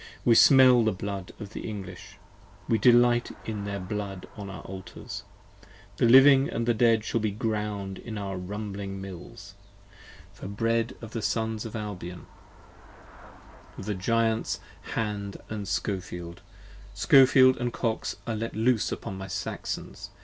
We smell the blood of the English! we delight in their blood on our Altars: The living & the dead shall be ground in our rumbling Mills 50 For bread of the Sons of Albion: of the Giants Hand & Scofield. Scofeld & Kox are let loose upon my Saxons!